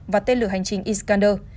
và tên lửa hành trình iskander